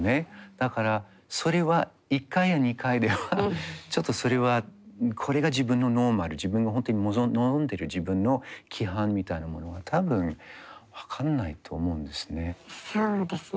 だからそれは１回や２回ではちょっとそれはこれが自分のノーマル自分の本当に望んでる自分の規範みたいなものが多分分かんないと思うんですね。